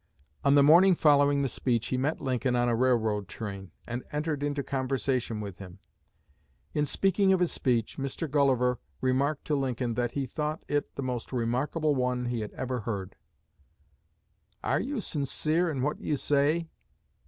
On the morning following the speech he met Lincoln on a railroad train, and entered into conversation with him. In speaking of his speech, Mr. Gulliver remarked to Lincoln that he thought it the most remarkable one he ever heard. "Are you sincere in what you say?"